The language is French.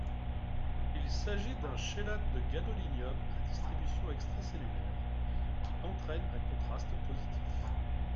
Il s'agit d'un chélate de gadolinium à distribution extracellulaire qui entraîne un contraste positif.